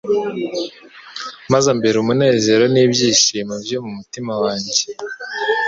maze ambera umunezero n' ibyishimo byo mu mutima wanjye.»